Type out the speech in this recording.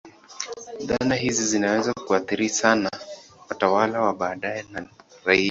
Dhana hizi zinaweza kuathiri sana watawala wa baadaye na raia.